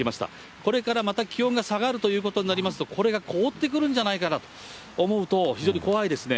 これからまた気温が下がるということになりますと、これが凍ってくるんじゃないかなと思うと、非常に怖いですね。